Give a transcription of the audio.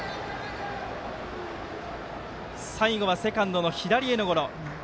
最後はセカンドの左へのゴロ。